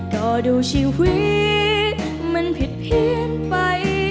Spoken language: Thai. ก็ดูชีวิตมันผิดเพี้ยนไป